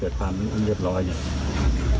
การทำให้มันตามกฎหมายจะพูดมาก